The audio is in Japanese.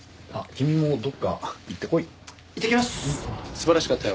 素晴らしかったよ。